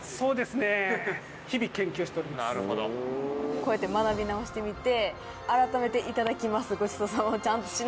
こうやって学び直してみて。